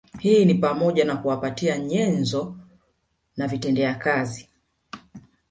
Hii ni pamoja na kuwapatia nyenzo na vitendea kazi